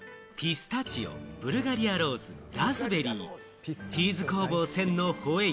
その名も「ピスタチオ、ブルガリアローズ、ラズベリー、チーズ工房千のホエイ」